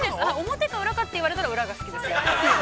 ◆表か裏かって言われたら、裏が好きです。